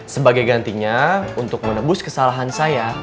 sebagai gantinya untuk menebus kesalahan saya